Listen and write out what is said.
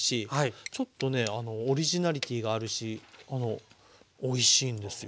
ちょっとねオリジナリティーがあるしおいしいんですよ。